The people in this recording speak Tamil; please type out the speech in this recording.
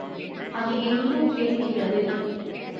அது எங்கும் கேட்கிறது.